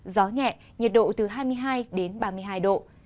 gió nhẹ nhiệt độ từ hai mươi hai đến ba mươi hai độ